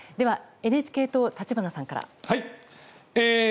ではＮＨＫ党の立花さんから。